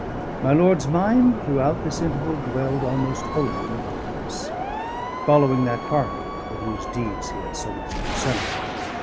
My lord's mind throughout this interval dwelled almost wholly in the Wilderness, following that party with whose deeds he had so much concern.